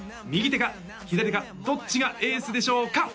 右手か左手かどっちがエースでしょうか？